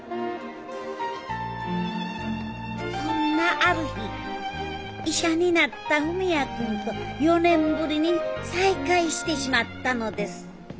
そんなある日医者になった文也君と４年ぶりに再会してしまったのです。